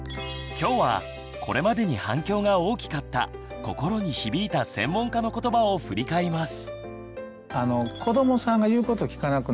今日はこれまでに反響が大きかった心に響いた専門家のことばを振り返ります。